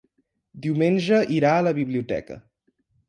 Diumenge irà a la biblioteca.